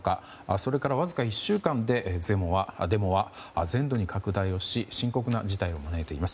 それからわずか１週間でデモは全土に拡大し深刻な事態を招いています。